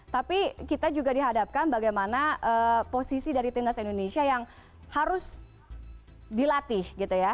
tapi kita juga dihadapkan bagaimana posisi dari timnas indonesia yang harus dilatih gitu ya